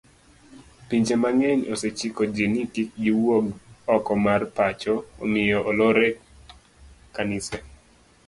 Pinje mang'eny osechiko ji ni kikgiwuogoko mar pacho omiyo oloro kanise